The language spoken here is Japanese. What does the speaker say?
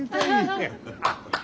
アハハハ。